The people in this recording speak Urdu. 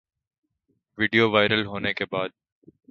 ویڈیو وائرل ہونے کے بعد